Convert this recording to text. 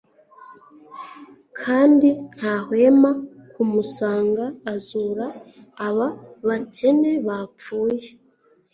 Kandi ntahwema kumusanga azura aba bakene bapfuye